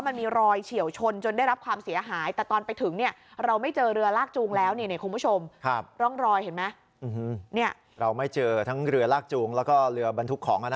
ไม่เจอทั้งเรือลากจูงแล้วก็เรือบรรทุกของ